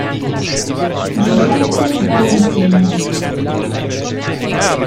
Giuseppe Valentini